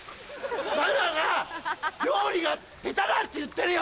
ママが料理が下手だって言ってるよ！